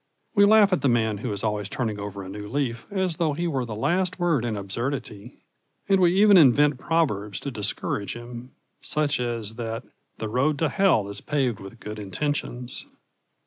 We laugh at the man who is always turning over a new leaf as though he were the last word in absurdity, and we even invent proverbs to discourage him, such as that "the road to Hell is paved with good intentions."